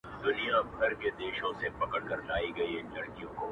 خو چي زه مي د مرګي غېږي ته تللم-